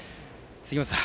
杉本さん